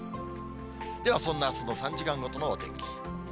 では、そんなあすの３時間ごとのお天気。